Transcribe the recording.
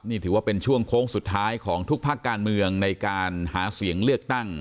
นี่ถือว่าเป็นช่วงโค้งสุดท้ายของทุกภาคการเมืองในการหาเสียงเลือกตั้ง